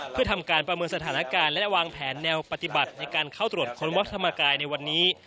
เพื่อทำการประเมินสถานการณ์และวางแผนแนวปฏิบัติในการเข้าตรวจค้นวัดธรรมกายในวันนี้